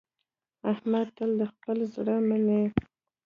احمد تل د خپل زړه مني.